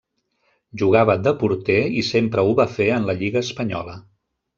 Jugava de porter i sempre ho va fer en la Lliga espanyola.